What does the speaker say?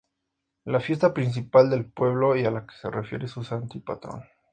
La fiesta principal del pueblo, y a la que refiere su Santo y Patrón.